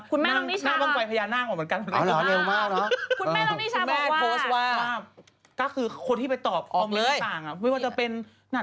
คุณแม่น้องนิชาอะอ๋อเหรอเร็วมากเนอะ